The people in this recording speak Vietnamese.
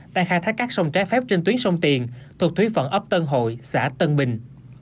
đang khai thác các sông trái phép trên tuyến sông tiền thuộc thúy phận ấp tân hội xã tân bình